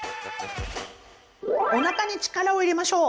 おなかに力を入れましょう！